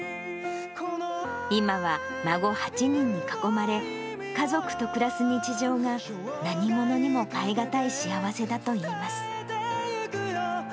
今は孫８人に囲まれ、家族と暮らす日常が、何ものにも代え難い幸せだといいます。